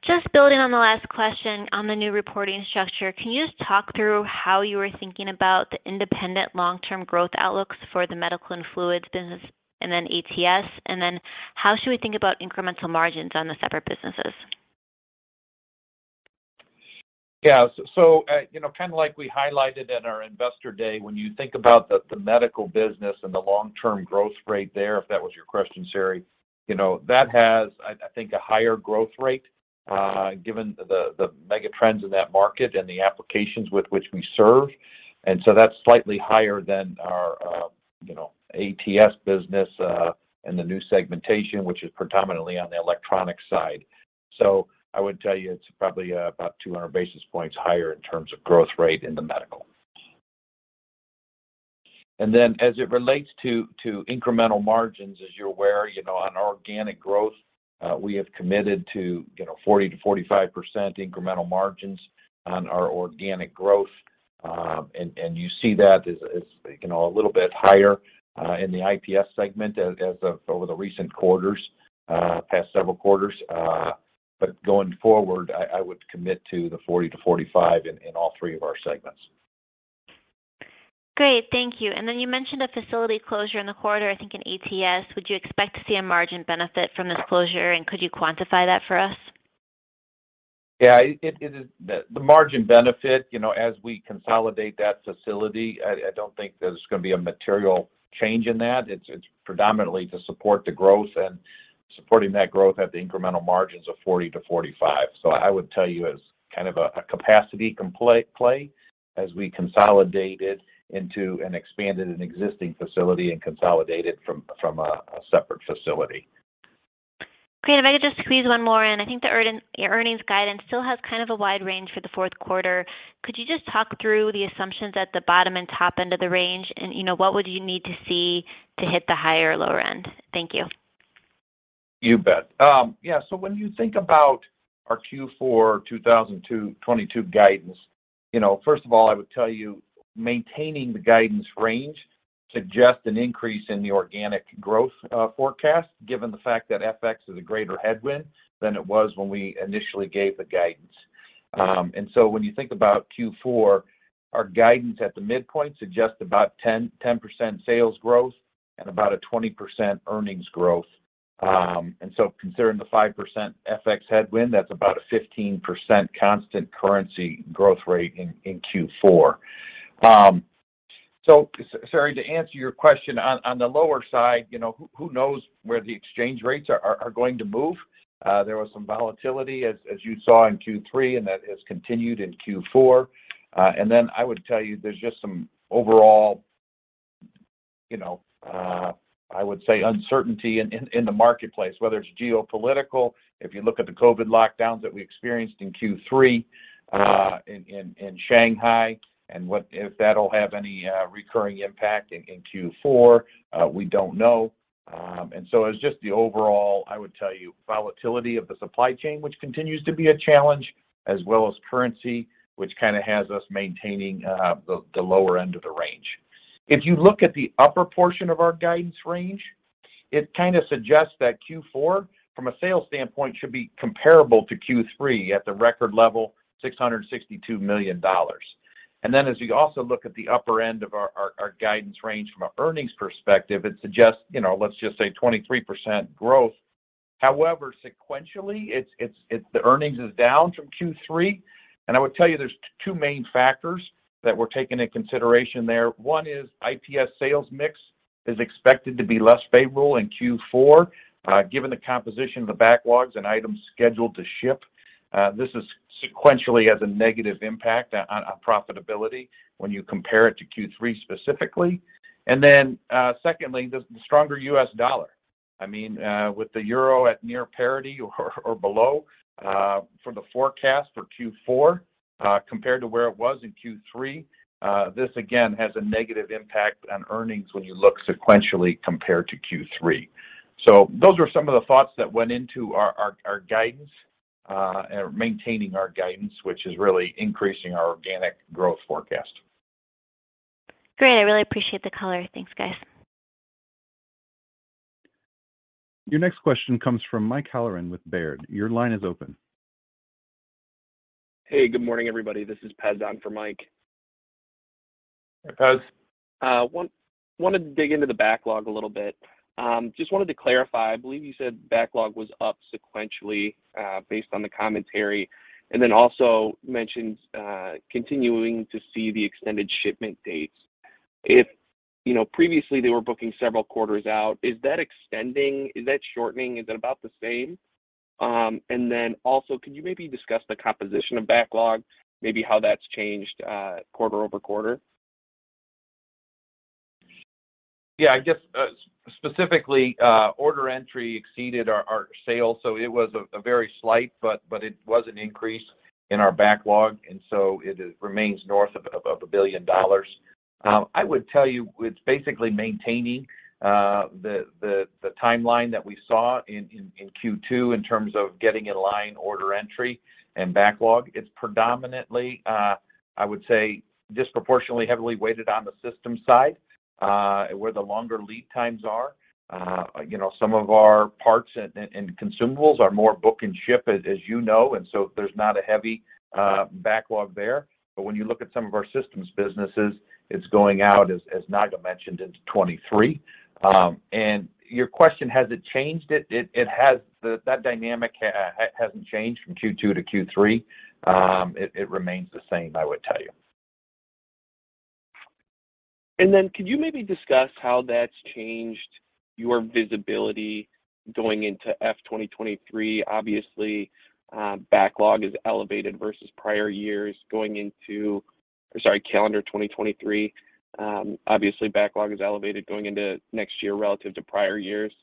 Just building on the last question on the new reporting structure, can you just talk through how you were thinking about the independent long-term growth outlooks for the Medical and Fluid business and then ATS? And then how should we think about incremental margins on the separate businesses? Yeah, you know, kind of like we highlighted at our investor day, when you think about the medical business and the long-term growth rate there, if that was your question, Saree, you know, that has, I think a higher growth rate, given the mega trends in that market and the applications with which we serve. That's slightly higher than our, you know, ATS business, and the new segmentation, which is predominantly on the electronic side. I would tell you it's probably about 200 basis points higher in terms of growth rate in the medical. As it relates to incremental margins, as you're aware, you know, on organic growth, we have committed to, you know, 40%-45% incremental margins on our organic growth. You see that as, you know, a little bit higher in the IPS segment as of past several quarters. Going forward, I would commit to the 40%-45% in all three of our segments. Great. Thank you. You mentioned a facility closure in the quarter, I think in ATS. Would you expect to see a margin benefit from this closure, and could you quantify that for us? Yeah. It is the margin benefit. You know, as we consolidate that facility, I don't think there's gonna be a material change in that. It's predominantly to support the growth and supporting that growth at the incremental margins of 40%-45%. I would tell you as kind of a capacity play as we consolidated into and expanded an existing facility and consolidated from a separate facility. Great. If I could just squeeze one more in. I think the earnings guidance still has kind of a wide range for the fourth quarter. Could you just talk through the assumptions at the bottom and top end of the range? You know, what would you need to see to hit the higher or lower end? Thank you. You bet. Yeah. When you think about our Q4 2022 guidance, you know, first of all, I would tell you maintaining the guidance range suggests an increase in the organic growth forecast, given the fact that FX is a greater headwind than it was when we initially gave the guidance. When you think about Q4, our guidance at the midpoint suggests about 10% sales growth and about a 20% earnings growth. Considering the 5% FX headwind, that's about a 15% constant currency growth rate in Q4. Sorry, to answer your question on the lower side, you know, who knows where the exchange rates are going to move. There was some volatility as you saw in Q3, and that has continued in Q4. I would tell you there's just some overall, you know, I would say uncertainty in the marketplace, whether it's geopolitical. If you look at the COVID lockdowns that we experienced in Q3 in Shanghai, and what if that'll have any recurring impact in Q4, we don't know. It's just the overall volatility of the supply chain, which continues to be a challenge, as well as currency, which kind of has us maintaining the lower end of the range. If you look at the upper portion of our guidance range, it kind of suggests that Q4, from a sales standpoint, should be comparable to Q3 at the record level, $662 million. As you also look at the upper end of our guidance range from an earnings perspective, it suggests, you know, let's just say 23% growth. However, sequentially, it's the earnings is down from Q3. I would tell you there's two main factors that we're taking into consideration there. One is IPS sales mix is expected to be less favorable in Q4, given the composition of the backlogs and items scheduled to ship. This sequentially has a negative impact on profitability when you compare it to Q3 specifically. Secondly, the stronger U.S. Dollar. I mean, with the euro at near parity or below, for the forecast for Q4, compared to where it was in Q3, this again has a negative impact on earnings when you look sequentially compared to Q3. Those are some of the thoughts that went into our guidance or maintaining our guidance, which is really increasing our organic growth forecast. Great. I really appreciate the color. Thanks, guys. Your next question comes from Michael Halloran with Baird. Your line is open. Hey, good morning, everybody. This is Pat on for Mike. Hey, Pat. Wanted to dig into the backlog a little bit. Just wanted to clarify. I believe you said backlog was up sequentially, based on the commentary, and then also mentioned, continuing to see the extended shipment dates. If, you know, previously they were booking several quarters out, is that extending? Is that shortening? Is it about the same? Then also could you maybe discuss the composition of backlog, maybe how that's changed, quarter-over-quarter? Yeah. I guess, specifically, order entry exceeded our sales, so it was a very slight, but it was an increase in our backlog, and so it remains north of $1 billion. I would tell you it's basically maintaining the timeline that we saw in Q2 in terms of getting in line order entry and backlog. It's predominantly, I would say, disproportionately heavily weighted on the systems side, where the longer lead times are. You know, some of our parts and consumables are more book and ship, as you know, and so there's not a heavy backlog there. But when you look at some of our systems businesses, it's going out as Naga mentioned, into 2023. Your question, has it changed? It has. That dynamic hasn't changed from Q2 to Q3. It remains the same, I would tell you. Could you maybe discuss how that's changed your visibility going into FY 2023? Obviously, backlog is elevated versus prior years going into calendar 2023. Obviously, backlog is elevated going into next year relative to prior years.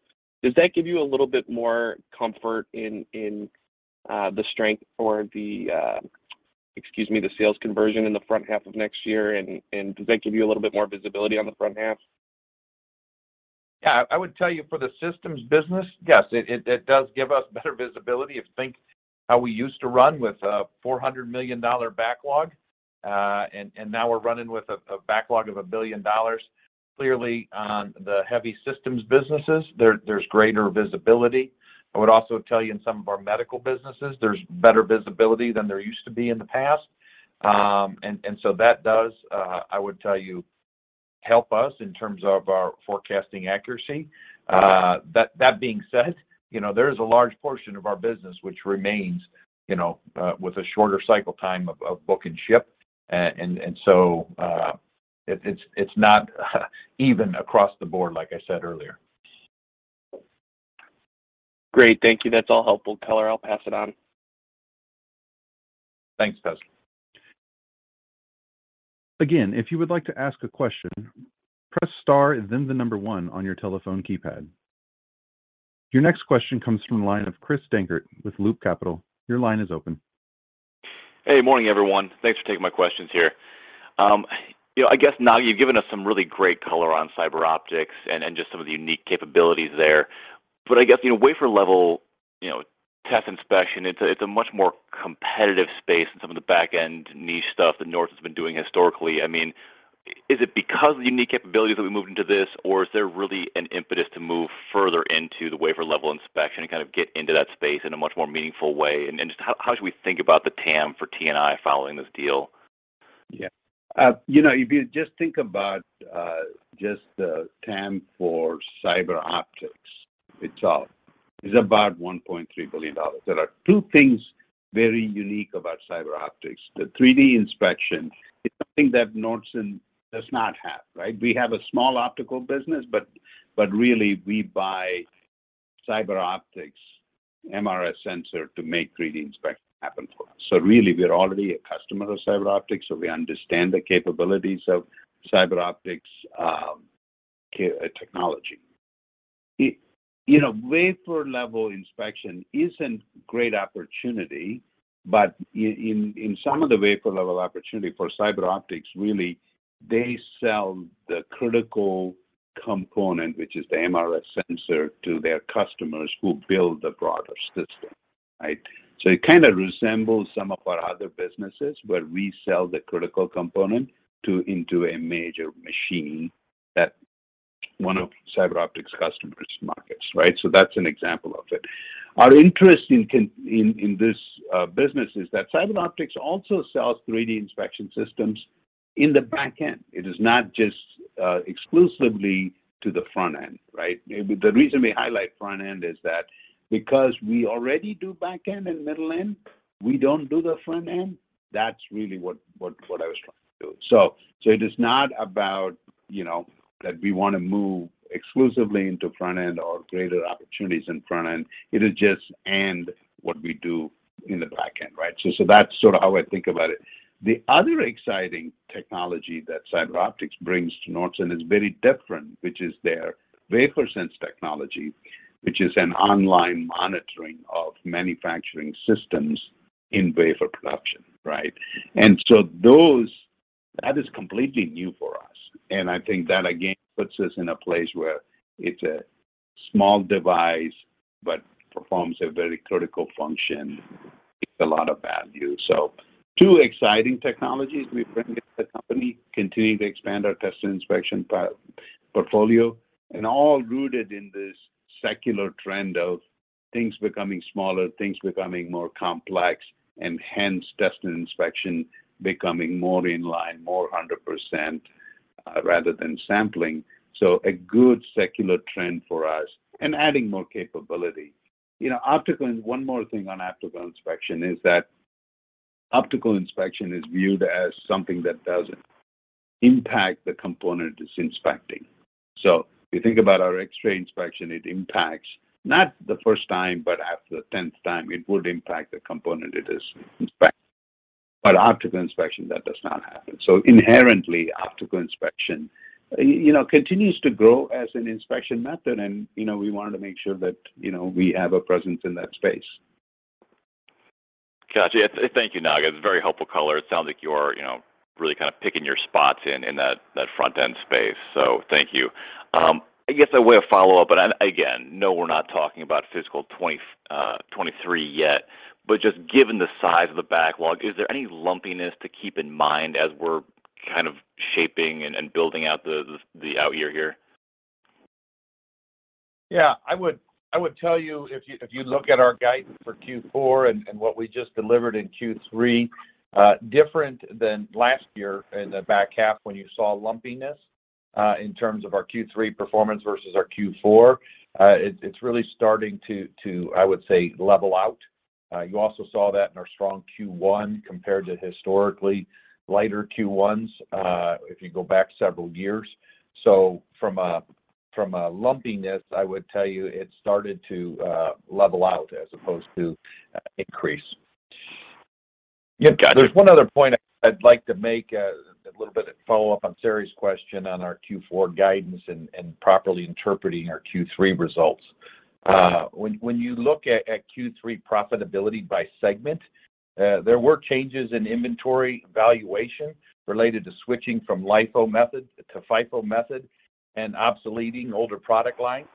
Does that give you a little bit more comfort in the strength or the sales conversion in the front half of next year and does that give you a little bit more visibility on the front half? Yeah. I would tell you for the systems business, yes, it does give us better visibility. If you think how we used to run with a $400 million backlog, and now we're running with a $1 billion backlog. Clearly on the heavy systems businesses, there's greater visibility. I would also tell you in some of our medical businesses, there's better visibility than there used to be in the past. That does, I would tell you, help us in terms of our forecasting accuracy. That being said, you know, there is a large portion of our business which remains, you know, with a shorter cycle time of book and ship. It's not even across the board, like I said earlier. Great. Thank you. That's all helpful color. I'll pass it on. Thanks, Pat. Again, if you would like to ask a question, press star and then the number one on your telephone keypad. Your next question comes from the line of Christopher Dankert with Loop Capital. Your line is open. Hey, morning, everyone. Thanks for taking my questions here. You know, I guess, Naga, you've given us some really great color on CyberOptics and just some of the unique capabilities there. I guess, you know, wafer-level, you know, test inspection, it's a much more competitive space than some of the back-end niche stuff that Nordson has been doing historically. Is it because of the unique capabilities that we moved into this, or is there really an impetus to move further into the wafer level inspection and kind of get into that space in a much more meaningful way? And just how should we think about the TAM for T&I following this deal? Yeah. You know, if you just think about just the TAM for CyberOptics itself is about $1.3 billion. There are two things very unique about CyberOptics. The 3D inspection is something that Nordson does not have, right? We have a small optical business, but really we buy CyberOptics' MRS sensor to make 3D inspection happen for us. Really, we're already a customer of CyberOptics, so we understand the capabilities of CyberOptics technology. You know, wafer level inspection is a great opportunity, but in some of the wafer level opportunity for CyberOptics, really, they sell the critical component, which is the MRS sensor, to their customers who build the broader system, right? It kind of resembles some of our other businesses where we sell the critical component into a major machine that one of CyberOptics' customers markets, right? That's an example of it. Our interest in this business is that CyberOptics also sells 3D inspection systems in the back end. It is not just exclusively to the front end, right? The reason we highlight front end is that because we already do back end and middle end, we don't do the front end. That's really what I was trying to do. It is not about, you know, that we wanna move exclusively into front end or greater opportunities in front end. It is just and what we do in the back end, right? That's sort of how I think about it. The other exciting technology that CyberOptics brings to Nordson is very different, which is their WaferSense technology, which is an online monitoring of manufacturing systems in wafer production, right? Those -- that is completely new for us. I think that again puts us in a place where it's a small device but performs a very critical function with a lot of value. Two exciting technologies we bring to the company, continuing to expand our test and inspection portfolio, and all rooted in this secular trend of things becoming smaller, things becoming more complex, and hence test and inspection becoming more in line, more 100%, rather than sampling. A good secular trend for us and adding more capability. You know, optical, and one more thing on optical inspection is that optical inspection is viewed as something that doesn't impact the component it's inspecting. If you think about our X-ray inspection, it impacts, not the first time, but after the tenth time, it would impact the component it is inspecting. Optical inspection, that does not happen. Inherently, optical inspection, you know, continues to grow as an inspection method, and, you know, we wanted to make sure that, you know, we have a presence in that space. Gotcha. Thank you, Naga. It's a very helpful color. It sounds like you are really kind of picking your spots in that front end space. Thank you. I guess a way to follow up, but again, no, we're not talking about fiscal 2023 yet, but just given the size of the backlog, is there any lumpiness to keep in mind as we're kind of shaping and building out the out year here? Yeah. I would tell you if you look at our guidance for Q4 and what we just delivered in Q3, different than last year in the back half when you saw lumpiness in terms of our Q3 performance versus our Q4, it's really starting to level out, I would say. You also saw that in our strong Q1 compared to historically lighter Q1s if you go back several years. From a lumpiness, I would tell you it started to level out as opposed to increase. Yep. Gotcha. There's one other point I'd like to make, a little bit of follow-up on Saree's question on our Q4 guidance and properly interpreting our Q3 results. When you look at Q3 profitability by segment, there were changes in inventory valuation related to switching from LIFO method to FIFO method and obsoleting older product lines.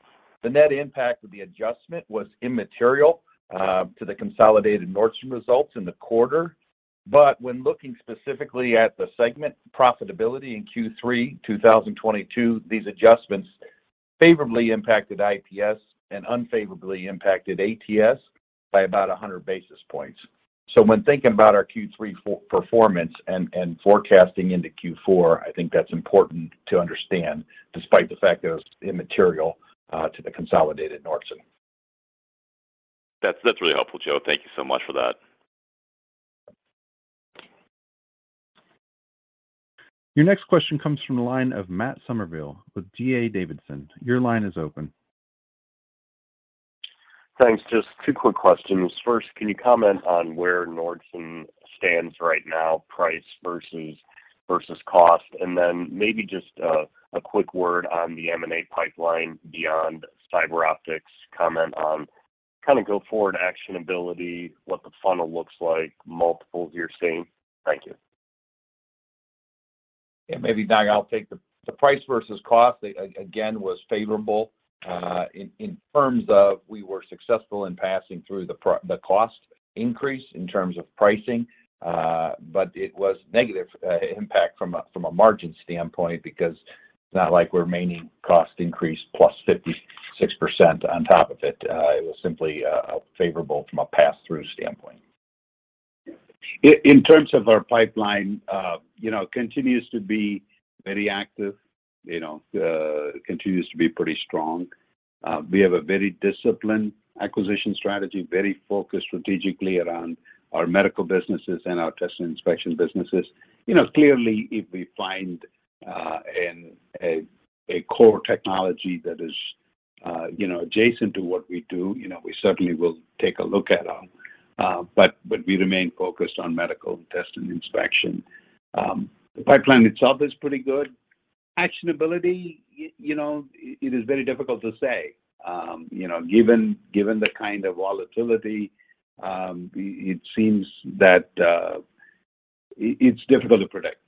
The net impact of the adjustment was immaterial to the consolidated Nordson results in the quarter. When looking specifically at the segment profitability in Q3 2022, these adjustments favorably impacted IPS and unfavorably impacted ATS by about 100 basis points. When thinking about our Q3 performance and forecasting into Q4, I think that's important to understand despite the fact that it was immaterial to the consolidated Nordson. That's really helpful, Joe. Thank you so much for that. Your next question comes from the line of Matt Summerville with D.A. Davidson. Your line is open. Thanks. Just two quick questions. First, can you comment on where Nordson stands right now, price versus cost? Maybe just a quick word on the M&A pipeline beyond CyberOptics, comment on kind of go forward actionability, what the funnel looks like, multiples you're seeing? Thank you. Yeah. Maybe, Naga, I'll take the price versus cost again was favorable in terms of we were successful in passing through the cost increase in terms of pricing. It was negative impact from a margin standpoint because- It's not like remaining cost increase plus 56% on top of it. It was simply favorable from a passthrough standpoint. In terms of our pipeline, you know, continues to be very active, you know, continues to be pretty strong. We have a very disciplined acquisition strategy, very focused strategically around our medical businesses and our test and inspection businesses. You know, clearly, if we find a core technology that is, you know, adjacent to what we do, you know, we certainly will take a look at 'em. But we remain focused on medical test and inspection. The pipeline itself is pretty good. Actionability, you know, it is very difficult to say. You know, given the kind of volatility, it seems that it's difficult to predict.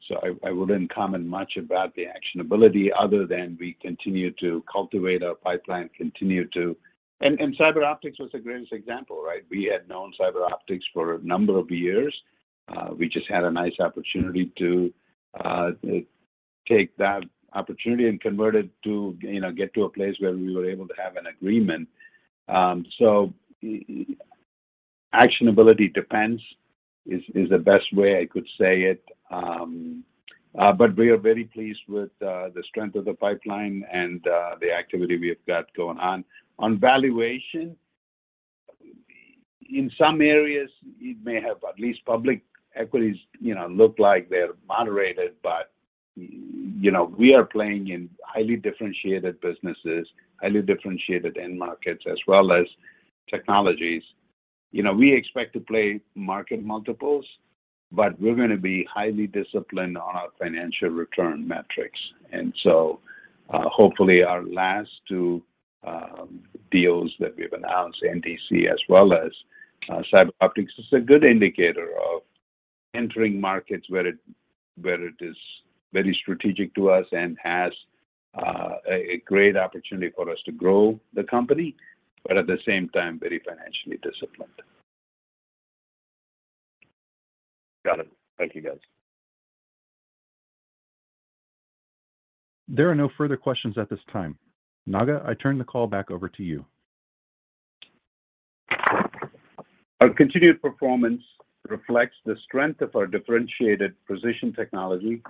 I wouldn't comment much about the actionability other than we continue to cultivate our pipeline. CyberOptics was the greatest example, right? We had known CyberOptics for a number of years. We just had a nice opportunity to take that opportunity and convert it to, you know, get to a place where we were able to have an agreement. Actionability depends, is the best way I could say it. We are very pleased with the strength of the pipeline and the activity we have got going on. On valuation, in some areas, it may have, at least in public equities, you know, look like they're moderated, but, you know, we are playing in highly differentiated businesses, highly differentiated end markets, as well as technologies. You know, we expect to play market multiples, but we're gonna be highly disciplined on our financial return metrics. Hopefully our last two deals that we've announced, NDC as well as CyberOptics, is a good indicator of entering markets where it is very strategic to us and has a great opportunity for us to grow the company, but at the same time, very financially disciplined. Got it. Thank you, guys. There are no further questions at this time. Naga, I turn the call back over to you. Our continued performance reflects the strength of our differentiated position technology,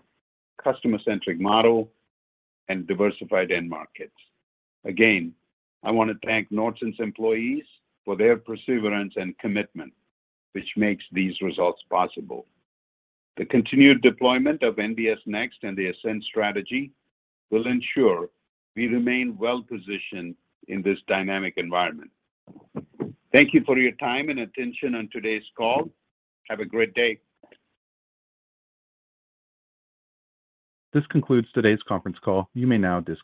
customer-centric model, and diversified end markets. Again, I wanna thank Nordson's employees for their perseverance and commitment, which makes these results possible. The continued deployment of NBS Next and the ASCEND strategy will ensure we remain well-positioned in this dynamic environment. Thank you for your time and attention on today's call. Have a great day. This concludes today's conference call. You may now disconnect.